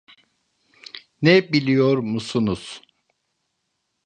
Ne biliyor musunuz?